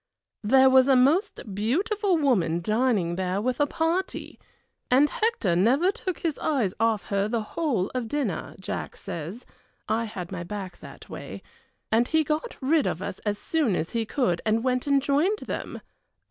There was a most beautiful woman dining there with a party, and Hector never took his eyes off her the whole of dinner, Jack says I had my back that way and he got rid of us as soon as he could and went and joined them.